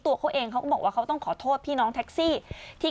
ตัวเขาเองเขาก็บอกว่าเขาต้องขอโทษพี่น้องแท็กซี่ที่